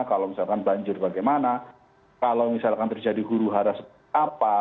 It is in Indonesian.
kalau misalkan banjir bagaimana kalau misalkan terjadi huru hara seperti apa